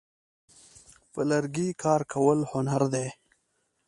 په لرګي کار کول هنر دی.